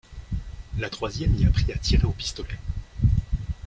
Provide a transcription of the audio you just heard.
La troisième y apprit à tirer au pistolet.